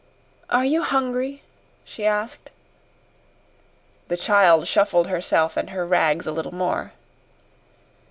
"Are you hungry?" she asked. The child shuffled herself and her rags a little more.